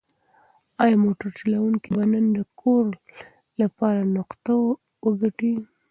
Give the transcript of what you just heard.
ایا موټر چلونکی به نن د کور لپاره نفقه وګټي؟